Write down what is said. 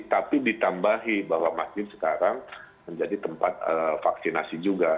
tapi ditambahi bahwa masjid sekarang menjadi tempat vaksinasi juga